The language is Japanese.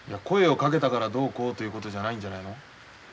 声をかけたからどうこうということじゃないんじゃないの？